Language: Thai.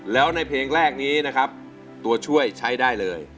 แล้วในเพลงแรกนี้นะครับตัวช่วยใช้ได้เลย